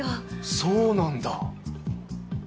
そうなんだ。